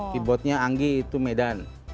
pibotnya anggi itu medan